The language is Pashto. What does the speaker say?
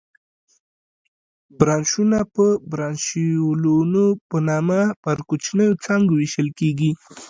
برانشونه په برانشیولونو په نامه پر کوچنیو څانګو وېشل کېږي.